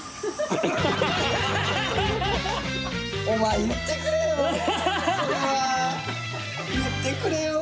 お前言ってくれよ！